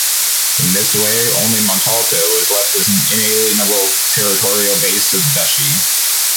In this way, only Montalto was left as an inalienable territorial base of the duchy.